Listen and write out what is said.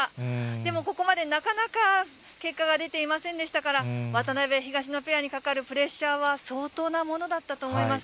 でも、ここまでなかなか結果が出ていませんでしたから、渡辺・東野ペアにかかるプレッシャーは、相当なものだったと思います。